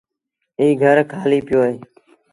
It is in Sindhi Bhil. ايٚ گھر کآليٚ پيو اهي۔